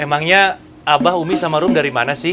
emangnya abah umi sama rum dari mana sih